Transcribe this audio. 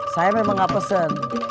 saya memang nggak pesan